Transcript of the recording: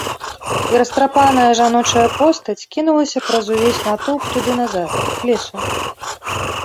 І растрапаная жаночая постаць кінулася праз увесь натоўп туды назад, к лесу.